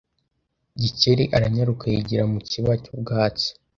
Gikeli aranyaruka yigira mu kiba cy'ubwatsi